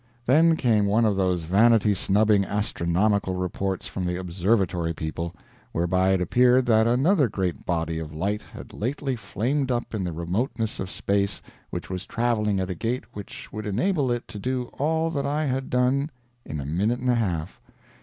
Then came one of those vanity snubbing astronomical reports from the Observatory people, whereby it appeared that another great body of light had lately flamed up in the remotenesses of space which was traveling at a gait which would enable it to do all that I had done in a minute and a half.